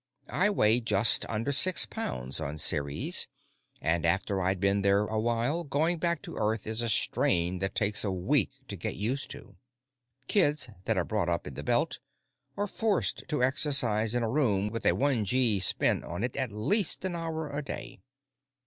I weigh just under six pounds on Ceres, and after I've been there a while, going back to Earth is a strain that takes a week to get used to. Kids that are brought up in the Belt are forced to exercise in a room with a one gee spin on it at least an hour a day.